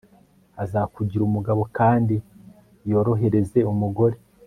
azakugira umugabo kandi yorohereze umugore